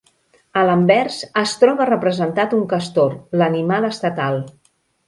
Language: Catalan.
A l'anvers es troba representat un castor, l'animal estatal.